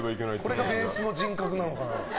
これがベースの人格なのかな。